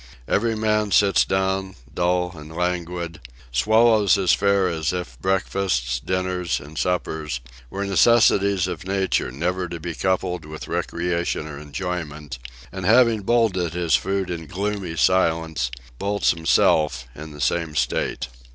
Every man sits down, dull and languid; swallows his fare as if breakfasts, dinners, and suppers, were necessities of nature never to be coupled with recreation or enjoyment; and having bolted his food in a gloomy silence, bolts himself, in the same state.